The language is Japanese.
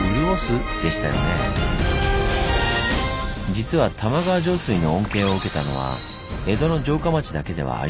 実は玉川上水の恩恵を受けたのは江戸の城下町だけではありません。